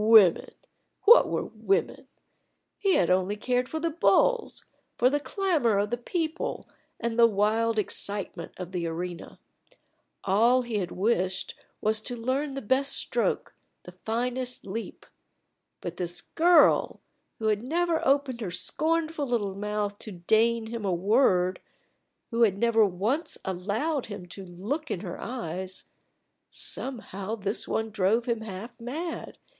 Women! What were women? He had only cared for the bulls, for the clamor of the people, and the wild excitement of the arena. All he had wished for was to learn the best stroke, the finest leap. But this girl, who had never opened her scornful little mouth to deign him a word who had never once allowed him to look in her eyes somehow this one drove him half mad.